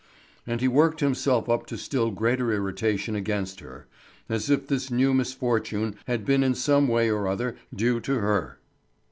And he worked himself up to still greater irritation against her, as if this new misfortune had been in some way or other due to her.